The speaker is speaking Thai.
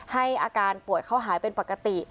ให้อาการป่วยเขาหายเป็นปกติ